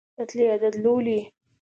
د تلې عدد لولي.